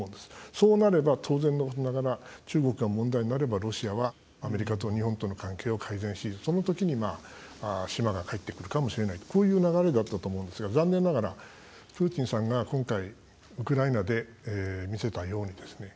そうなれば、当然のことながら中国が問題になればロシアはアメリカと日本との関係を改善しそのときには島が返ってくるかもしれないとこういう流れだったと思うんですが残念ながら、プーチンさんが今回ウクライナで見せたようにですね